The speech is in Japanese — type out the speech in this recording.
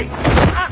あっ！